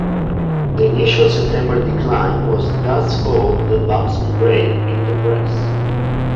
The initial September decline was thus called the "Babson Break" in the press.